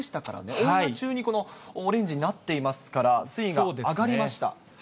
オンエア中にオレンジになっていますから、水位が上がりました。